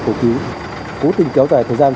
cổ ký cố tình kéo dài thời gian